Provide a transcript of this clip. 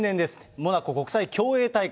モナコ国際競泳大会。